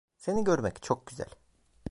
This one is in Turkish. Seni görmek çok güzel.